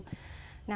jadi itu adalah